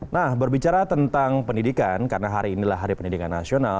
nah berbicara tentang pendidikan karena hari inilah hari pendidikan nasional